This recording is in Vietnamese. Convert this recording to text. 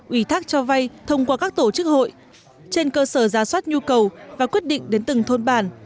ủy thác cho vay thông qua các tổ chức hội trên cơ sở giả soát nhu cầu và quyết định đến từng thôn bản